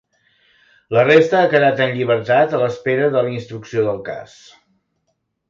La resta ha quedat en llibertat a l’espera de la instrucció del cas.